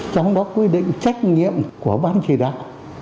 trong đó quy định trách nhiệm của ban chỉ đạo